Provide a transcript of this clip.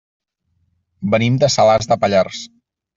Venim de Salàs de Pallars.